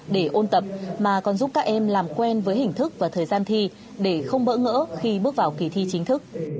điều này cũng giúp các em làm quen với hình thức và thời gian thi để không bỡ ngỡ khi bước vào kỳ thi chính thức